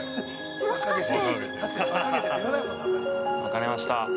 ◆分かりました。